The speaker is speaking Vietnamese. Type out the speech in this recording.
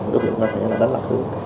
đối tượng có thể đánh lạc hơn